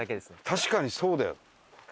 確かにそうだよ。